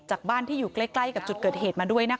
จากบ้านที่อยู่ใกล้กับจุดเกิดเหตุมาด้วยนะคะ